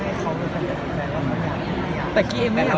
มีโครงการทุกทีใช่ไหม